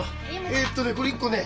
えっとね